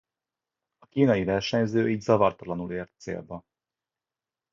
A kínai versenyző így zavartalanul ért célba.